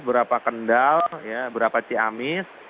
berapa kendal berapa ciamis